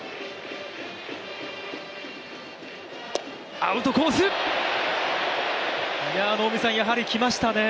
アウトコース、やはりきましたね。